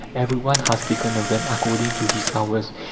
"Every one has taken of them according to his powers